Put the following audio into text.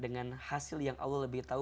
dengan hasil yang allah lebih tahu